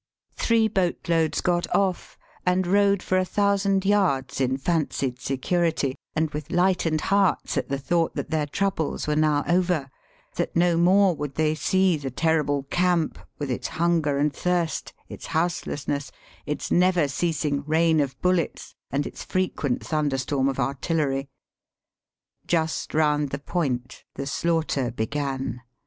Three boat loads got off, and rowed for a thousand yards in fancied security, and with lightened hearts at the thought that their troubles were now over ; that no more would they see the terrible camp, with its hunger and thirst, its houselessness, its never ceasing rain of bullets, and its frequent thunderstorm of artillery. Just round the point the slaughter began.